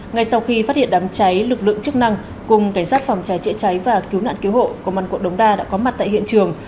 ngay sau khi phát hiện đám cháy lực lượng chức năng cùng cảnh sát phòng trái chữa cháy và cứu nạn cứu hộ của quận đống đà đã có mặt tại hiện trường